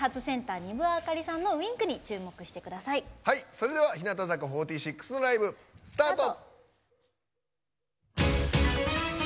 それでは日向坂４６のライブ、スタート。